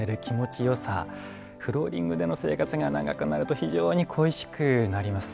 フローリングでの生活が長くなると非常に恋しくなります。